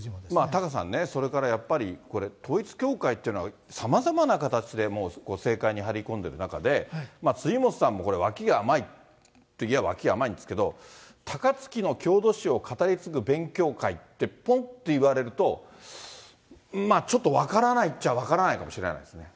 タカさんね、それからやっぱり、これ、統一教会というのは、さまざまな形で、もう政界に入り込んでいる中で、辻元さんもこれ、脇が甘いといえば脇が甘いんですけれども、高槻の郷土史を語り継ぐ勉強会って、ぽんって言われると、ちょっと分からないっちゃ分からないかもしれないですね。